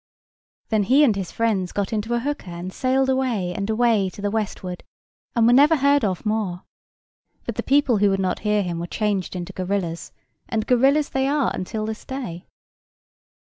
Then he and his friends got into a hooker, and sailed away and away to the westward, and were never heard of more. But the people who would not hear him were changed into gorillas, and gorillas they are until this day.